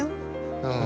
うん。